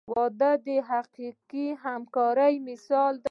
• واده د حقیقي همکارۍ مثال دی.